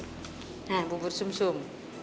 nah bubur sum sum